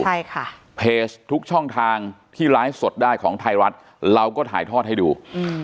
ใช่ค่ะเพจทุกช่องทางที่ไลฟ์สดได้ของไทยรัฐเราก็ถ่ายทอดให้ดูอืม